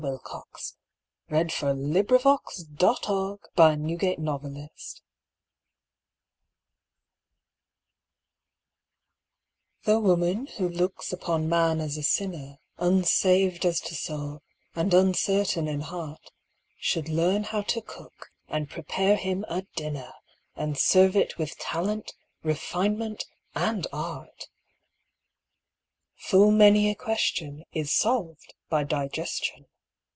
No heart ere held these two guests at one time. THE CUSINE The woman who looks upon man as a sinner Unsaved as to soul, and uncertain in heart, Should learn how to cook, and prepare him a dinner, And serve it with talent, refinement, and art. Full many a question is solved by digestion.